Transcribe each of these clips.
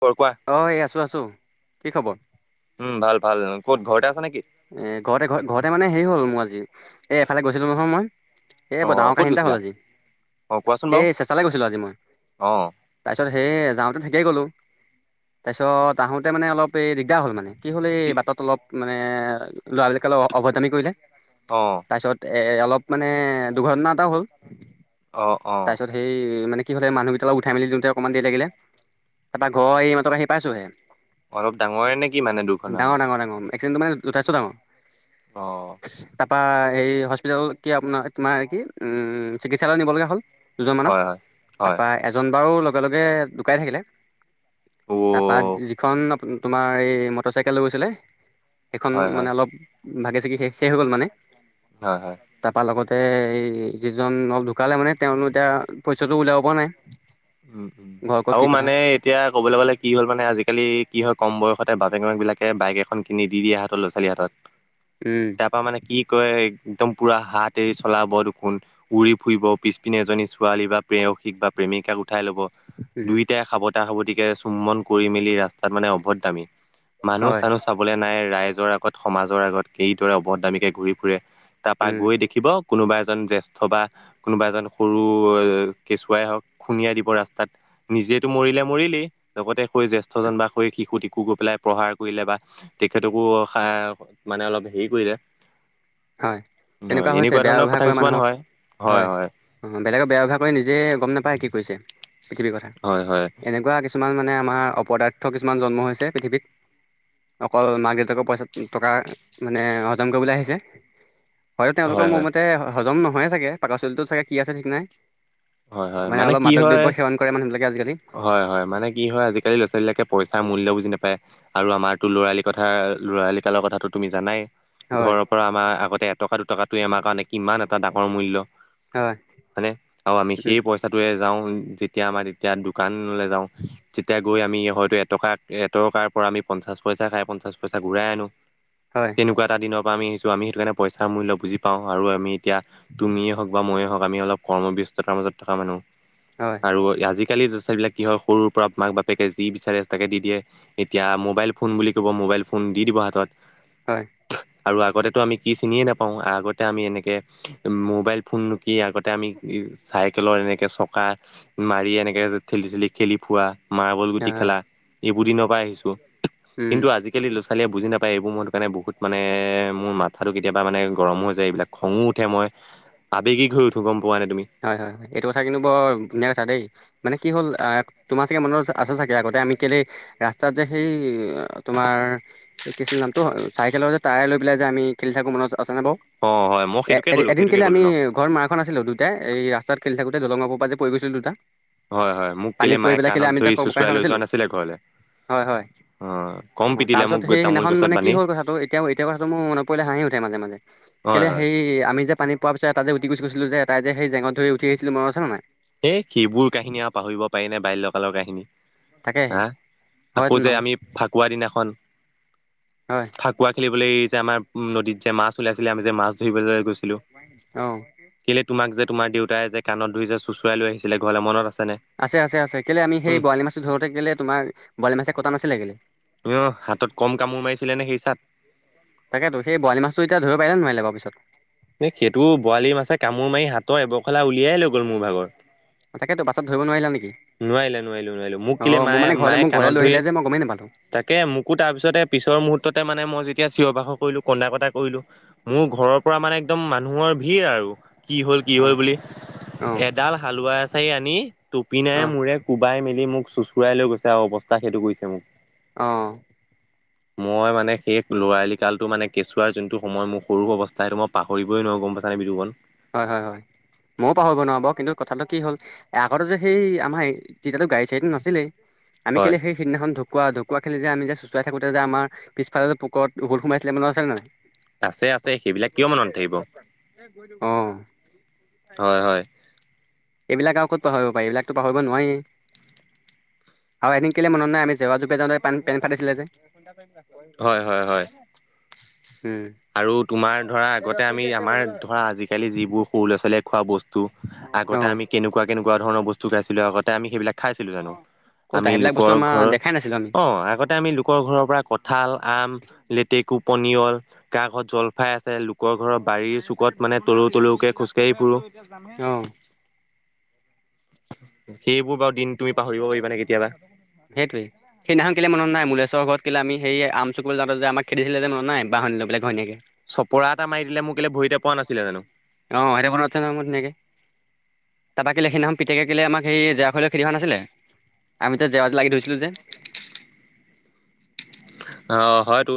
খবৰ কোৱা অ এই আছো আছো কি খবৰ উম ভাল ভাল ক'ত ঘৰতে আছা নেকি এ ঘৰতে ঘ ঘৰতে মানে হেৰি হ'ল মোৰ আজি এ এফালে গৈছিলো নহয় মই এ অ বৰ ডাঙৰ ক'ত কাহিনী এটা হ'ল গৈছিলা আজি অ কোৱাচোন এ বাৰু চেচালৈ গৈছিলো আজি মই অ তাৰপিছত সেই যাওঁতে ঠিকেই গ'লোঁ তাৰপিছত আহোঁতে মানে অলপ এই দিগদাৰ হ'ল মানে কি হ'ল এই বাটত অলপ মানে ল'ৰাবিলাকে অ অভদ্ৰামি কৰিলে অ তাৰপিছত অলপ মানে দুৰ্ঘটনা এটাও হল অ অ তৰছত সেই কি হহতে মানুহকেইটাক উঠাই মেলি দিওঁতে অকণমান দেৰি লাগিলে তাপা ঘৰ এই মাত্ৰ আহি পাইছোহে অলপ ডাঙৰে নে কি মানে দুৰ্ঘটনাটো একচিদেন্তটো মানে যথেষ্ট ডাঙৰ অ বা এই হস্পিতেল কি আপোনাৰ তোমাৰ কি উম চিকিৎসালয় নিব লগা হ'ল দুজনমানক হয় হয় হয় তাৰপৰা এজন বাৰু লগে লগে ধুকাই থাকিলে অ তাৰপা যিখন তোমাৰ এই মটৰ চাইকেল লৈ গৈছিলে সেইখন হয় মানে হয় অলপ ভাগি-চাগি শেষে হৈ গ'ল মানে, হয় হয় তাৰপা লগত তে এই যিজন ঢুকালে মানে তেওঁলোক এতিয়া পইচাটো উলিয়াব পৰা নাই। উম-উম ঘৰ ক'ত আৰু কি কথা মানে এতিয়া ক'বলৈ গ'লে কি হ'ল মানে, আজিকালি কি হ'ল কম বয়সতে বাপেক-মাক বিলাকে বাইক এখন কিনি দি আহাটো ল'ৰা-ছোৱালীৰ হাতত উম তাৰপা মানে কি কয়? একদম পুৰা হাত এৰি চলাব দেখোন, উৰি ফুৰিব পিছপিনে এজনী ছোৱালী বা প্ৰেয়সিক বা প্ৰেমিকাক উঠাই ল'ব, উম দুয়োটাই সাবতা-সাবতিকে চুমন কৰি মেলি ৰাস্তাত মানে অভদ্ৰামী হয় মানুহ-চানুহ চাবলে নাই, ৰাইজৰ আগত, সমাজৰ আগত কিদৰে অভদ্ৰামীকে ঘূৰি ফুৰে। তাপা উম গৈ দেখিব কোনোবা এজন জ্যেষ্ঠ বা কোনোবা এজন সৰু কেঁচুৱাই হওক খুন্দিয়াই দিব ৰাস্তাত, নিজেতো মৰিলে, মৰিলেই লগতে হৈ জ্যেষ্ঠজন বা হৈ শিশুটিক। আকৌ গৈ পেলাই প্ৰহাৰ কৰিলে বা, তেখেতকো হা মানে অলপ হেৰি কৰিলে হয়, হয় তেনেকুৱা হৈছে এনেকুৱা বেয়া ধৰণৰ ব্যৱহাৰ কথা কৰা কিছুমান মানুহক হয় হয়, অ, বেলেগক বেয়া ব্যৱহাৰ কৰে, নিজে গম নাপায় কি কৰিছে পৃথিৱীৰ কথা, হয় হয় এনেকুৱা কিছুমান মানে আমাৰ অপদাৰ্থ কিছুমান জন্ম হৈছে, পৃথিৱীত অকল মাক-দেউতাকৰ পইচা, টকা মানে হজম কৰিবলৈ আহিছে। হয়তো তেওঁলোকৰ হয় মোৰ হয় মতে হজম নহয়ে চাগে, পাকস্থলীটো চাগে কি আছে ঠিক নাই। হয়-হয়, মানে অলপ কি মাদক হয়? দ্ৰব্য সেৱন কৰে মানুহবিলাকে আজিকালি হয়-হয়, মানে কি হয়? আজিকালি ল'ৰা-ছোৱালী বিলাকে পইচাৰ মূল্য বুজি নাপায়, আৰু আমাৰতো ল'ৰালিৰ কথা, ল'ৰালি কালৰ কথাটো তুমি জানাই হয় ঘৰৰ পৰা আমাৰ আগতে এটকা, দুটকাটোৱে আমাৰ কাৰণে কিমান এটা ডাঙৰ মূল্য। হয় বা মিস্ত্ৰী উম পইচাটোৱে যাওঁ, যেতিয়া আমাৰ তেতিয়া দোকানলে যাওঁ। তেতিয়াই গৈ আমি হয়তো এটকা-এটকাৰ পৰা আমি পঞ্চাছ পইচা খাই, পঞ্চাছ পইচা ঘূৰাই আনো। হয় তেনেকুৱা এটা দিনত আমি আহিছো, আমি সেইটো কাৰণে পইচা মূল্য বুজি পাওঁ, আৰু আমি এতিয়া তুমিয়ে হওক বা মইয়ে হওক আমি অলপ কম-বেছি জতাৰ মাজত থকা মানুহ, হয় আৰু ইয়াৰ আজি আজিকালি ল'ৰা-ছোৱালী বিলাক কি হয়, সৰুৰ পৰা মাক-বাপেকে যি বিচাৰে তাকে দি দিয়ে, এতিয়া মোবাইল ফোন বুলি ক'ব ম মোবাইল ফোন দি-দিব হাতত। হয়। আৰু আগতেতো আমি কি চিনিয়ে নাপাওঁ, আগতে আমি এনেকে মোবাইল ফোন নো কি আগতে আমি চাইকেলত এনেকে চকা মাৰি, এনেকে ঠেলি- ঠেলি খেলি ফুৰা মাৰ্বল হয় গুটি হয় খেলা, এইবোৰ দিনৰ পৰা আহিছো, উম কিন্তু আজিকালি ল'ৰা ছোৱালীয়ে বুজি নাপায় নাপায়, এইবোৰ মোৰত কাৰণে বহুত মানে, মোৰ মাথাটো কেতিয়াবা মানে গৰম হৈ যায়, এইবিলাক খঙো উঠে, মই আবেগি হৈ উঠো, গম পোৱা নে তুমি। হয়-হয়-হয়, এইটো কথা কিন্তু বৰ ধুনীয়া কথা দেই, মানে কি হ'ল তোমাৰ চাগে মনত আছে চাগে, আগতে আমি সেই কেলেই, ৰাস্তা যে সেই তোমাৰ এ কি আছিলে নামতো? চাইকেলৰ যে টায়াৰ লৈ পেলাই যে আমি খেলি থাকো মনত আছে-আছে নে বাওঁ, অ হয় মই এ সেইটোকে ক'লো এদিন সেইটোকে কেলে ক'লো আমি ন ঘৰত মাৰখোৱা নাছিলোঁ। দুয়োটাই এই ৰাস্তাত খেলি থাকোতে দলঙৰ ওপৰৰ পৰা যে পৰি গৈছিলোঁ দুটা হয়-হয় মোক কেলে পানীত পৰি মায়ে পেলাই কাণত ধৰি চোঁচৰাই লৈ যোৱা নাছিলে ঘৰলে হয়-হয় অ কম অ, পিটিলে তাৰপিছত মোক সেই তামোল সিদিনাখন গছত মানে কি বান্ধি হ'ল কথাটো এতিয়াও-এতিয়াও কথাটো মোৰ মনত পৰিলে, হাঁহি উঠে মাজে-মাজে হয় কেলে হয় হেৰি আমি যে পানীত পৰা পিছত তাতে যে ওটি গৈছোঁ-গৈছিলো যে, তাক যে সেই জেঙত ধৰি উঠি আহিছিলো, মনত আছে নাই? এই এনেই, তাকেহে হা হয় আকৌ ন যে আমি ফাকুৱা দিনাখন হয় ফাকুৱা খেলিবলৈ এই যে আমাৰ, নদীত যে মাছ উলাইছিলে, আমি যে মাছ ধৰিবলৈ গৈছিলো। গৈছিলোঁ, অ' কেলে তোমাক যে তোমাৰ দেউতাই যে, কাণত ধৰি যে চুচৰাই লৈ আহিছিলে, ঘৰলে মনত আ আছে-আছে-আছে, কেলে আমি সেই বৰালি মাছটো ধৰোতে, কেলে তোমাৰ বৰালি মাছছে কটা নাছিলে, কেলে অ, হাতত কম কামোৰ মাৰিছিলে নে সেই চাত তাকেটো, সেই বৰালি মাছটো এতিয়া ধৰিব পাৰিলে, নোৱাৰিলে বাৰু পিছত এ সেইটো বৰালি মাছে কামোৰ মাৰি হাতৰ এবৰখলা উলিয়াই লৈ গ'ল মোৰ ভাগৰ তাকে ত পাছত ধৰিব নোৱাৰিলো আমি নোৱাৰিলে নোৱাৰিলো নোৱাৰিলো মোক কেলে মায়ে মানে ঘৰলে মায়ে মোক ঘৰলে কাণত লৈ ধৰি আহিলে যে মই গমেই নাপালোঁ তাকে মোকো তাৰপিছতে পিছৰ মুহূৰ্ততে মানে মই এতিয়া চিঞবাসৰ কৰিলো কন্দা কটা কৰিলো মোৰ ঘৰৰ পৰা মানে একদম মানুহৰ ভিৰ আৰু কি হ'ল কি হল অ' বুলি অ' এডাল হালোৱা এচাৰি আনি পিনে অ'। মোৰে কোবাই মেলি মোক চোচুৰাই লৈ গৈছে আৰু অৱস্থা সেইটো কৰিছে মোক আহ মই মানে সেই লৰালি কালটো মানে কেঁচুৱাৰ যোনটো সময় মোৰ সৰু অৱস্থা সেইটো মই পাহৰিবই নোৱাৰো অ গম পাইছ নে বিদুপন - হয় হয় হয় ময়ও পাহৰিব নোৱাৰো ব কিন্তু কথাটো কি হল আগতে যে সেই আমাৰ তেতিয়াতো গাড়ী চাড়ীতো নাছিলেই আমি হয় কেলে সেই সিদিনাখনঢোকুৱা ঢু কুৰা খেলি যেমি যে চোচাই থাকোঁ আমাৰ পিছফালে পুুকৰত সোমাইছিলে মানত আছে নে নাই আছে আছে সেইবিলাক কিয় মনত নাথাকিব? অ হয় হয়। এইবিলাক আৰু ক'ত পাহৰিব পাৰি এইবিলাকতো পাহৰিব নোৱাৰি আৰু এদিন কেলে মনত নাই আমি জেৱা জোপে যাওঁতে পেন ফাটাইছিলে যে হয় হয় হয় উম আৰু তোমাৰ ধৰা আগতে আমি আমাৰ ধৰা আজিকালি যিবোৰ সৰু ল'ৰা ছোৱালীয়ে খোৱা বস্তু অ আগতে আমি কেনেকুৱা কেনেকুৱা ধৰণৰ বস্তু খাইছিলো আগতে আমি সেইবিলাক খাইছিলোঁ জানো ক'ত আমি সেইবিলাক বস্তু লোকৰ আমাৰ ঘৰৰ দেখাই নাছিলো আমি অঁ আগতে আমি লোকৰ ঘৰৰ পৰা ক থাল আম লেতেকু পনিয়ল কা ঘৰত জলফাই আছে লোকৰ ঘৰৰ বাৰীৰ চুকত মানে তলৌ তলৌকে খোজকাঢ়ি ফুৰো এতিয়া যামে অ সেইবোৰ বাৰু দিন তুমি পাহৰিব পাৰিবানে কেতিয়াবা সেইটোৱেই সেইদিনাখন কেলে মনত নাই মুলশ্বৰ ঘৰত কেলে আমি স আম চুকৈলৈ যাওঁ যে আমাক খেদিছিলে মনত নাই বাহনী লৈপেলাই ঘৈনীয়েকে চপৰা এটা মাৰি দিলে মোক কেলে ভৰিতে পৰা নাছিলে জানো নামত নেকে তাৰপৰা কেলে সেদিনাখন পোতেকে কেলে আমাক সেই জেৰা খুটী লৈ খেদি অহা নাছিলে আমি জেৱাত লাগি ধৰিছিলো যে অ হয়তো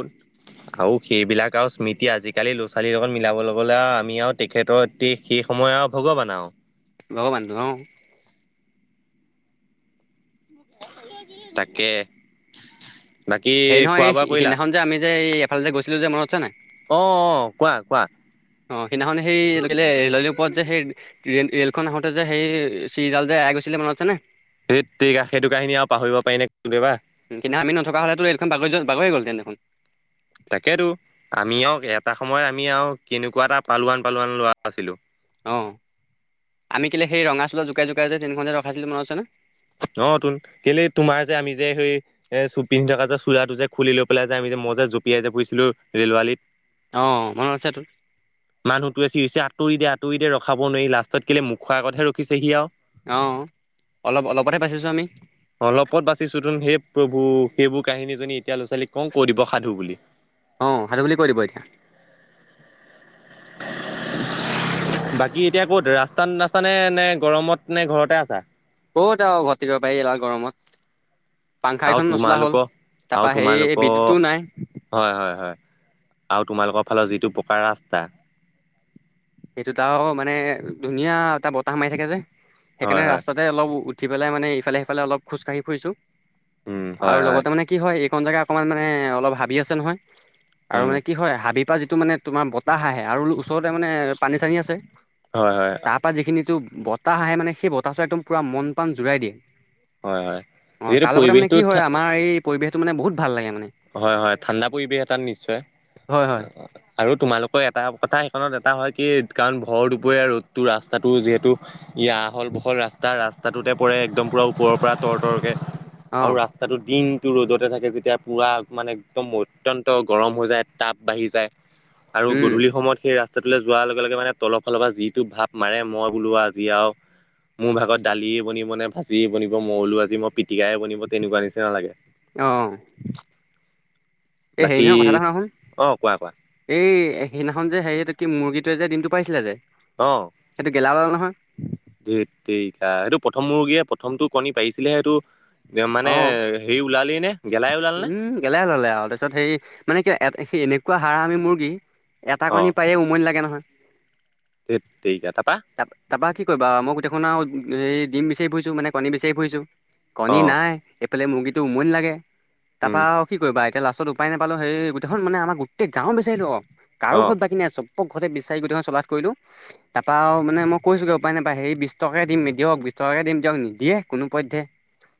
আৰু সেইবিলাক আৰু স্মৃতি আজিকালি ল'ৰা ছোৱালীৰ লগত মিলাব লগলে আমি আৰু তেখেতৰ এতি শেষ সময় আৰু ভগৱান আও বহ বন্ধ অ তাকে বাকী হেৰি খোৱা নহয় বোৱা সেই কৰিলা সেইদিনাখন যে আমি যে এইফালে যে গৈছিলো যে মনত আছে নাই অ অ কোৱা কোৱা অ সিদিনাখন সেইৰে ওপৰত যে সেই ৰে'লখন আহোতে যে সেই চিৰিডাল যে আৰাই গৈছিলে মনত আছেনে? সেইততেৰিগা সেইটো কাহিনি আৰু পাহৰিব পাৰি নে কেতিয়াবা কিন্তু আমি নথকা হ'লে তো এইখন বাগৰি বাগৰি গল হেতেন দেখোন। তাকেতো আমি আৰু এটা সময় আমি আৰু কেনেকুৱা এটা পালোৱান পালোৱান লৰা আছিলো। অ আমি কেলে সেই ৰঙা চোলা জোকাই জোকাই যে টেইনখননে যে ৰখাইছিলো মনত আছে ন। অতুন কেলে তুমাৰ যে আমি যে সেই এ চ পিন্ধি থকা যে চোলাটো যে খুলি লৈ পেলাই যে আমি যে [unintelligible] মতে জঁপিয়াই যে পৰিছিলো ৰেল আলীত [unintelligible] অ মনত আছে তোৰ মানুহটোৱে হৈছে আঁতৰি দে আঁতৰি দে ৰখাব নোৱাৰি লাষ্টত কেলে মুখ আগতহে ৰখিছে সি আৰু [unintelligible] আহ অলপত বাচিছো তোন সেই প্ৰভু সেইবোৰ কাহিনীজনী এতিয়া ল'ৰা ছোৱালীক কওঁ কৈ দিব সাধু বুলি। অ সাধু বুলি কৈ দিব এতিয়া। [inaudible] বাকী এতিয়া ক'ত ৰাস্তাত আছানে নে গৰমত নে ঘৰতে আছা। কত আৰু ঘটিব পাৰি এনেকুৱা গৰমত। পাংখা আৰু কেইখন নচলা হ'ল তোমালোকৰ আৰু তাৰপা সেই তোমালোকৰ বিদ্যুতো নাই হয় হয় হয়। আৰু তোমালোকৰ ফালৰ যিটো পকাৰ ৰাস্তা। সেইটোতটা মানে ধুনীয়া এটা বতাহ মাৰি থাকে যে সেইকাৰণে হয় হয় ৰাস্তাতে অলপ। উঠি পেলাই মানে ইফালে সিফালে অলপ খোজকাাঢ়ি ফুৰিছো উম আৰু হয় হয় লগতে মানে কি হয়। জেগা অকমান মানে অলপ হাবি আছে নহয় আৰু উম মানে কি হয় হাবি। পৰা যিটো মানে তোমাৰ বতাহ আহে আৰু ওচৰতে মানে পানী চানী আছে। হয় হয় তাৰ পৰা যিখিনিতটো বতাহ আহে মানে সেই বতাহটো একদম পুৰা মন পাান জোৰাই দিয়ে। হয় হয় অ যিহেতু তাৰ লগতে মানে পৰিৱেশটো কি হয় আমাৰ এই পৰিৱেশটো মানে বহুত ভাল লাগে মানে। হয় হয় ঠাণ্ডা পৰিৱেশ এটাত নিশ্চয়। হয় হয়। আৰু তোমালোকৰ এটা কথা সেইখনত এটা হয় কি কাৰণ ভৰ দুপৰীয়া ৰ'দটো ৰাস্তাটো যিহেতু। আহল বহল ৰাস্তা ৰাস্তাটোতে পৰে একদম পূৰা ওপৰৰ পৰা তৰ তৰকৈ। আৰু অ' ৰাস্তাটো দিনতটো ৰ'জতে থাকে যেতিয়া। পূৰা মানে একদম অত্যন্ত গৰম হৈ যায় টাব বাঢ়ি যায়।। আৰু উম গধূলি সময়ত সেই ৰাস্তা। স্তটো যোৱাৰ লগে লগে মানে তলৰ ফালৰ পৰা যিটো ভাৱ মাৰে মই বোলোৱা যি আৰু। মোৰ ভাগত দালিয়ে বনিব নে ভাজিয়ে বনিব মইলো আজি মই। পিটিকাই বনিব তেনেকুৱা নিচিনা লাগে। অ' এই বাকী হেৰিদিনাখন কথা এটা শুনাচোন অ কোৱা কোৱা এই সেইদিনাখন যে হেৰি। কি মুৰ্গীটোৱে যে দিমটো পাৰিছিলে যে সেইটো গেলাা ওলালে নহয়। ধেৎ তেৰিগাসেইটো প্ৰথম মৰ্গীয়ে প্ৰথমটো কণী পাৰিছিলেহে সেইটো। মানে অ' সেই ওলালি নে। গেলাই ওলাল নে উম গেলা জালে আৰু তাৰ পিছত সেই মানে কি সেই এনেকুৱা হাৰ় আমি মুৰ্গী। এটা অ কণী পায় উমনি লাগে নহয়। ধেত তেৰিকা তাৰপা ত তাৰপা কি কৰিবা মোক দেখোন আৰু। হ ডিম বিচাৰি ফুৰিছোঁ মানে কণী বিচাৰি ফুৰিছোঁ কণী অ নাই এইফালে মুৰ্গীটো উমনি লাগে। উম তাৰপা কি কৰিবা এতিয়া লাষ্টত উপায় নাপালো সেই গোটেইখন মানে আমাৰ গোটেই গাঁও বিচাৰিলো অ। কাৰো অ ঘৰত বাকিনাই চব। প ঘৰতে বিচাৰি গোটেইখন চলা কৰিো তাৰাও মানে মই কৈছো গৈ উপায় নাপায় হেৰি বিশছ টকে দিম দিয়ক। চৰকৈ দিম দিয়ক নিদিয়ে কোনো পধ্যে।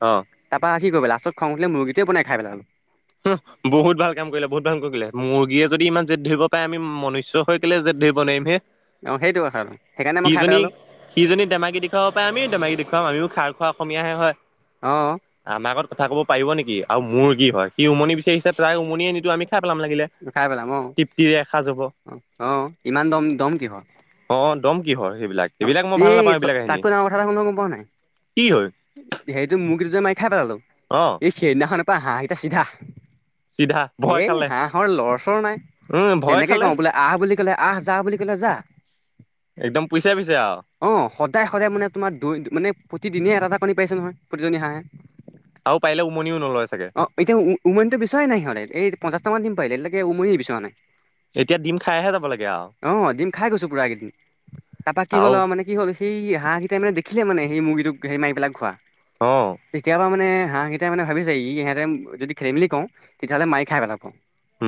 অ। তাৰপৰা কি কৰিব লষ্টত খং ম মুৰগেটোৱা বনাইেলালো। হ বহুত ভাল কাম কৰিলে বহুত ভাল কৰিলে মুৰ্গীয়ে যদি ইমান জেদ ধৰিব পাৰে আমি মনুষ্ হৈ। কেলে যে ধৰিব নোৱাৰিম হে। অ সেইটো কথাটো সেইকাৰণে মই খাই সিজনী পেলালোঁ সিজনী দেমাকি দেখুৱাব পাৰে আমিও দেেমাকি দেখুৱাম আমিও খাৰ। অসমীয়াহে হয় অ আমাৰ আগত কথা ক'ব পাৰিব নেকি আৰু মোৰ কি হয়। সি উমনি বিচাৰিছে তাৰ উমনি আনিতো আমি খাই পেলাম লাগিলে খাই পেলাম অ', তৃপ্তিৰে এসা যাব। অ অ ইমান দম দম কিহৰ। অ দম কি হয়। সেইবিলাক অ এইবিলাক মই ভাল নাপাওঁ সি এইবিলাক কাহিনী তাকো ডাঙৰ কথা এ শোন গম পোৱা নাই কি হয় সেইটো ম যে মাই। কাই পেলালো অ এই সেইদিনাখন পৰা হাঁহকেইটা চিধা। চিধা এ ভয় খালে হাঁহহৰ লৰচৰ নাই। উম ভয় যেনেকে খালে কওঁ বোলে আহ বুলি ক'লে আহ যা বুলি ক'লে যা। একদম। পিছে পিছে আৰু অ সদায় সদায় মানে তোমাৰ দু মানে প্ৰতিদিনে এটা এটা পানী পাইছে নহয় প্ৰতিজনী হাঁহে। আৰু পাৰিলে উমনিও নলয় চাগে অ এতিয়া উ উমাননটো বিচয় নাই সিহঁতে এই। পঞ্চাছটা মান দিম পাৰিলে উমনি বিচৰা নাই এতিয়া ডিম খাইহে যাব লাগে আৰু আহ দিম খাই গৈছো পুৰা এই কেইদিন তাৰপা কি হ'ল আৰু মানে কি হ'ল সেই হাঁহগেটাই মানে দেখোনে সেই মুৰ্গীটোক সেই মাৰি পেলাই খোৱা অ তেতিয়াপা মানে হাঁহ কেইটাই মানে ভাবিছে এ ইিহতে যদি খেলি কওঁ তেতিয়াহ'লে মাৰি খাই পেলাব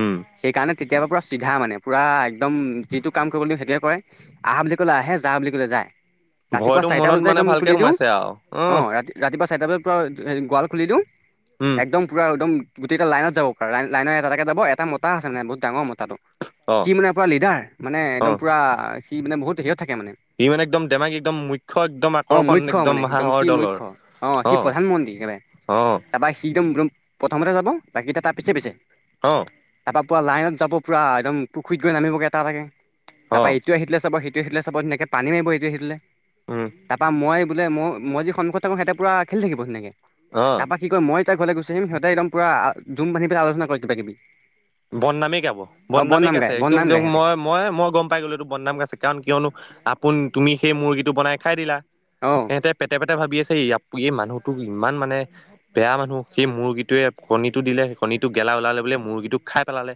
উম সেই কাৰণে তেতিয়াবা পুৰা চিধা মানে পুৰা একদম যিটো কাম কৰিব দিও সেইটোৱে কৰে আহ বুলি ক'লে আহে যা বুলি ক'লে যায় ৰাতিপুৱা ভয়তো চাৰিটা মনত বজাতে মানে একদম ভালকে খুলি দিওঁ সোমাইছে আৰু অ উম ৰাতি ৰাতিপুৱা চাৰটা বজাত। হ গোৱাল খুলি দিওঁ উম একদম পুৰা একদম গোটেইটা লাইনত যাব আৰু লাইনৰ এটা এটা যাব এটা মতা আ মানে বহুত ডাঙৰ মতা তাতো অ সি মানে পুৰা লিডাৰ মানে অ একদম পুৰা সি মানে বহুত সেত থাকে মানে ই মানে একদম ধেমাজি একদম মুখ্য একদম অ আকৰ্ষণ মুখ্য মানে সি একদম হাঁহৰ সি দলৰ মুখ্য অ সি প্ৰধানমন্ত্ৰী একেবাৰে অ তাৰপা সিদম ৰুম প্ৰথমতে যাব বাকী এটা তাৰ পিছে পিছে অ ত পুৰা লাইনত যাব পুৰা এদম পুখুৰি গৈ নামিবগে এটা এটা কে অ তাৰপা ইটোয়ে সিটোলে চাব ইটোয়ে সিটোলে চাব ধুনিয়াকে পানী মাৰিব ইটোয়ে সিটোলে উম তাৰপা মই বোলে মই মই যি সন্মুখত থাকো হেতে পোৰা খেলি থাকিব ধুনিয়া কে অ তাৰপা কি কয় মই যি ঘলে গইছিলি সিহঁতিপোৰা জুম বান্ধি পেলাই আলোচনা কৰে কিবাকিবি বননামে গাব বনামে গাইছে একদম বদনাম গায় সিহঁতে মই মই মই গম পাই গলো এইটো বনাম গাইছে কাৰণ কিয়নো আপোন তুমি সেই মুৰ্গীটো বনাই খাই দিলা অ সিহঁতে পেটে পেটে ভাবি আছে য় এই মানুহটোক ইমান মানে বেয়া মানুহ সেই মুৰ্গীটোৱে কণীটো দিলে সেই কণীটো গেলা ওলালে বুলিয়ে মূৰ্গীটোক খাই পেলালে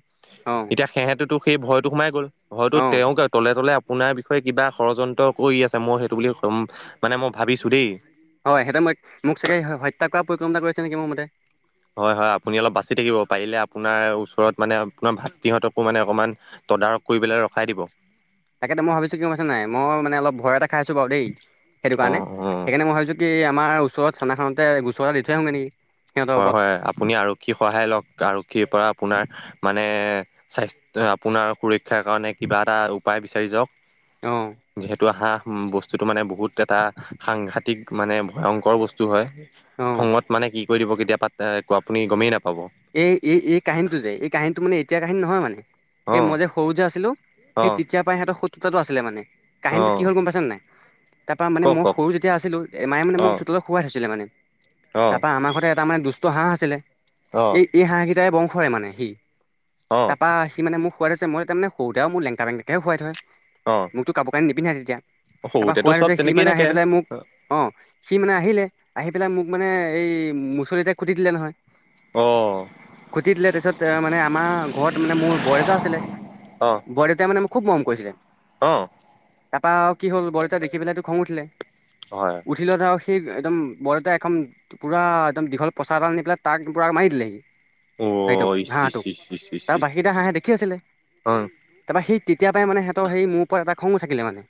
অ এতিয়া সিহেঁতো সেই ভয়তো সোমাই গ'ল ভয়তো অ তেওঁ গাত তলে তলে আপোনাৰ বিষয়ে কিবা ষড়যন্ত্ৰ কৰি আছে মই সেইটো বুলি কম মানে মই ভাবিছোঁ দেই হয় সিহঁতে মই মোক চাগে হত্যা কৰা পৰিকল্পনা কৰিছে নেকি মোৰ মতে হয় হয় আপুনি অলপ বাচি থাকিব পাৰিলে আপোনাৰ ওচৰত মানে আপোনাৰ ভাতৃহঁতকো মানে অকমান তদাৰক কৰি পেলাই ৰখাই দিব তাকেতে মই ভাবিছো কি গম পাইছা নাই মই মানে অলপ ভয় এটা খাই আছো বাৰু দেই সেইটো অ অ কাৰণে হয় সেইকাৰণে মই ভাবছো কি আমাৰ ওচৰৰ থানাখনতে গুচৰ এটা দি থৈ আহোগে নেকি সিহঁতৰ হয় ওপৰত হয় আপুনি আৰক্ষীৰ সহায় লওক আৰক্ষীৰ পৰা আপোনাৰ মানে স্বাস্থ আপোনাৰ সুৰক্ষাৰ কাৰণে কিবা এটা উপায় বিচাৰি অঁ যাওক যিহেতু আহা উ বস্তুতটো মানে বহুত এটা সাংঘাতিক মানে ভয়ংকৰ বস্তু হয় অঁ খঙত মানে কি কৰি দিব কেতিয়া পাত্ৰাই আপুনি গমেই নাপায় এই এই এই কাহিনীটো যে এই কাহিনীটো মানে এতিয়াৰ কাহিনী নহয় এই অ', মই যে সৰু যে আছিলো সেই অ', তেতিয়াৰ পৰাই সিহঁতৰ শত্ৰুতাটো আছিলে মানে কাহিনীটো কি অ', হ'ল গম পাইছ নে নাই তাৰ পৰা মানে কওক মই কওক সৰু যেতিয়া আছিলো এ মায়ে মানে মোক অ', চোতলত শোৱাই থৈছিলে মানে অ', তাৰপা আমাৰ ঘৰতে এটা মানে দুষ্ট হাঁহ আছিলে অ', এই এই হাঁহ কেইটাই বংশই মানে সি অ', তাৰপা সি মানে মোক খুৱাই থইছে মই তামানে সৰুতে মোৰ লেংতা বেন্তা কেহে শুৱাই থয় অ', মোক তো কাপোৰকানি নিপিন্ধাই তেতিয়া তাৰপা সৰুতেতো শুৱাই চব থইছে সি তেনেকেই মানে আহি থাকে। পেলাই মোক অহ সি মানে আহিলে আহি পেলাই মোক মানে এই মুচৰিতে খুটিঁ দিলে নহয় অ', খুটিঁ দিলে তাৰপিছত মানে আমাৰ ঘৰত মানে মোৰ বৰদেউতাৰ আছিলে অ', বৰদউতাই মানে মোক খুব মৰম কৰিছিলে অ', তাৰপৰা আও কি হ'ল বৰদতাই দেখি পেলাইটো খং উঠিলে হয়। উঠিলত আও সেই একদম বৰদেউতাই এখন পোৰা একদম দীঘল পচাৰ এডাল আনি পেলাই তাক পোৰা মাৰি দিলেহি সেইটোক অ', ইচ ইচ হাঁহটোক ইচ ইচ ইচ তাৰ ইচ বাকিকেইটা হাঁহে দেখি আছিলে অ', তাৰপৰা সি তেতিয়া পৰাই মানে সিহঁত মোৰ ওপৰ এটা খং থাকিলে মানে